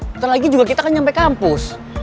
ntar lagi juga kita kan nyampe kampus